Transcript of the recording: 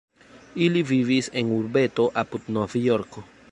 Ili vivis en urbeto apud Novjorko.